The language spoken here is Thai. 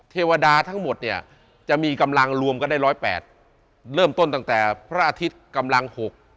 เทวดาจะมีกำลังรวมก็ได้โลยแปดเริ่มต้นตั้งแต่พระอาทิตย์กำลัง๖